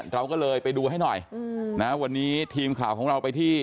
เราก็เลยไปดูให้หน่อยนะวันนี้ทีมข่าวของเราไปที่